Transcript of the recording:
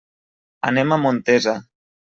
Anem a Montesa.